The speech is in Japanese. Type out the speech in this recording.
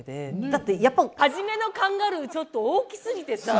だってやっぱ初めのカンガルーちょっと大きすぎてさ。